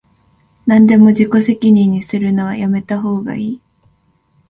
なんでも自己責任にするのはやめたほうがいい